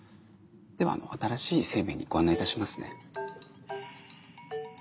では新しい生命にご案内いたしますね。